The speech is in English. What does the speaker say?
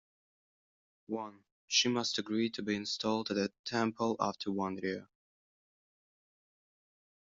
One, she must agree to be installed at a temple after one year.